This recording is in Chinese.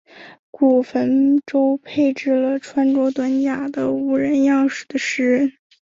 古坟周围配置了穿着短甲的武人样式的石人。